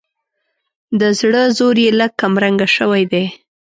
د زړه زور یې لږ کمرنګه شوی دی.